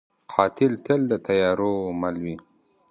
قاتل تل د تیارو مل وي